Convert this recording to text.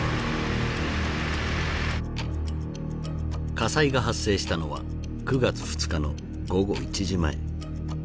火災が発生したのは９月２日の午後１時前。